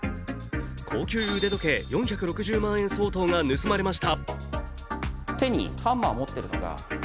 高級腕時計４６０万円相当が盗まれました。